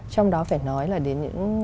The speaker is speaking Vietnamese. trong đó phải nói là đến những